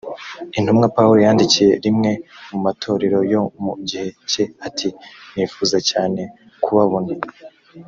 intumwa pawulo yandikiye rimwe mu matorero yo mu gihe cye ati nifuza cyane kubabona